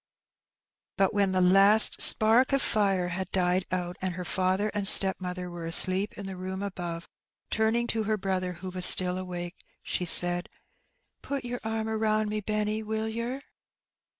But when the last spark of fire had died out, and her father and stepmother were asleep in the room above, turning to her brother, who was still awake, she said, "Put your arm about me, Benny, will yer?''